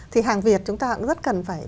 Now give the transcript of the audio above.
thì hàng việt chúng ta cũng rất cần phải